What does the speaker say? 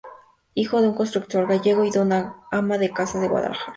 Hijo de un constructor gallego y de una ama de casa de Guadalajara.